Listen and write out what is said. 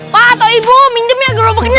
pak atau ibu minjem ya geroboknya